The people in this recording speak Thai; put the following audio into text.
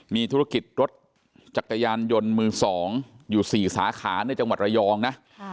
มีธุรกิจรถจักรยานยนต์มือ๒อยู่๔สาขาในจังหวัดระยองนะ